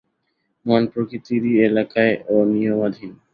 মন প্রকৃতিরই এলাকায় ও নিয়মাধীন।